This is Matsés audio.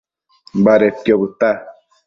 Badedquio bëdta